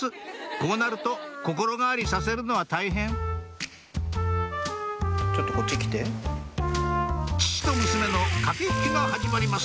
こうなると心変わりさせるのは大変父と娘の駆け引きが始まります